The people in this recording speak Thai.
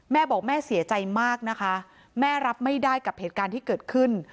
แม่บอกแม่เสียใจมากนะคะแม่รับไม่ได้กับเหตุการณ์ที่เกิดขึ้น